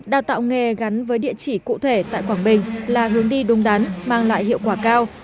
đào tạo nghề gắn với địa chỉ cụ thể tại quảng bình là hướng đi đúng đắn mang lại hiệu quả cao